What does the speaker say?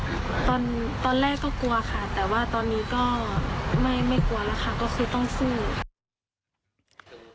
ตอนแรกก็กลัวค่ะแต่ว่าตอนนี้ก็ไม่กลัวแล้วค่ะก็คือต้องสู้ค่ะ